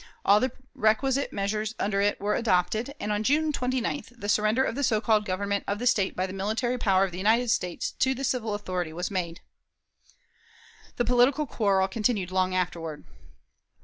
All the requisite measures under it were adopted, and on June 29th, the surrender of the so called government of the State by the military power of the United States to the civil authority was made. The political quarrel continued long afterward.